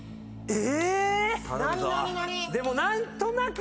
え！